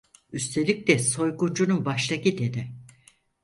Üstelik de soyguncunun başta gideni.